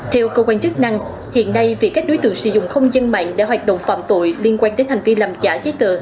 theo cơ quan chức năng hiện nay việc các đối tượng sử dụng không gian mạng để hoạt động phạm tội liên quan đến hành vi làm giả giấy tờ